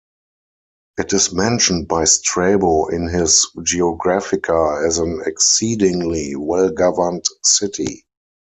It is mentioned by Strabo in his "Geographica" as "an exceedingly well-governed city".